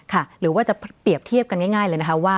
หรือว่าจะเปรียบเทียบกันง่ายเลยนะคะว่า